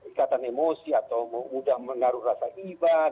ikatan emosi atau mudah mengaruh rasa hibat